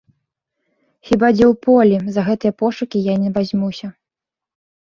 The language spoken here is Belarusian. Хіба дзе ў полі, за гэтыя пошукі я не вазьмуся.